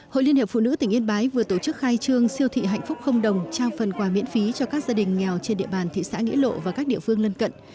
hội liên hiệp phụ nữ tỉnh yên bái vừa tổ chức khai trương siêu thị hạnh phúc không đồng trao phần quà miễn phí cho các gia đình nghèo trên địa bàn thị xã nghĩa lộ và các địa phương lân cận